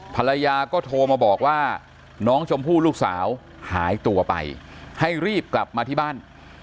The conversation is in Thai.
ภรรยาก็โทรมาบอกว่าน้องชมพู่ลูกสาวหายตัวไปให้รีบกลับมาที่บ้าน